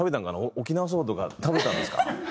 沖縄そばとか食べたんですか？